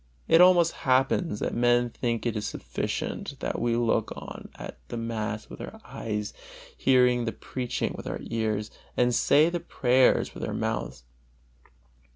It almost happens that men think it is sufficient that we look on at the mass with our eyes, hear the preaching with our ears, and say the prayers with our mouths.